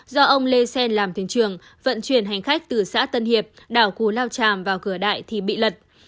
do ông lê xen làm thuyền trường vận chuyển hành khách từ xã tân hiệp đảo cù lao tràm vào cửa đại thì bị lật